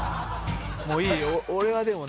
もういい。